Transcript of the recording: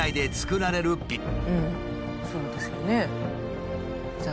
そうですよね。